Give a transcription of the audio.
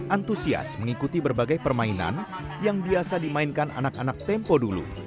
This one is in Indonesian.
antusias mengikuti berbagai permainan yang biasa dimainkan anak anak tempo dulu